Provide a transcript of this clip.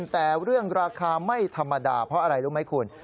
แต่เรื่องราคาไม่ธรรมดาเพราะอะไรรู้ไหมคุณ